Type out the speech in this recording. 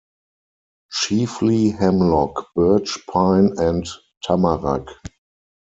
Chiefly Hemlock Birch Pine and Tamarac.